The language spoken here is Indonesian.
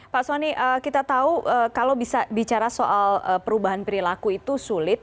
pak soni kita tahu kalau bisa bicara soal perubahan perilaku itu sulit